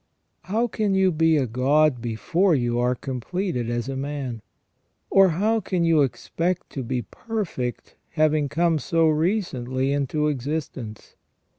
How can you be a god before you are completed as a man ? Or how can you expect to be perfect having come so recently into existence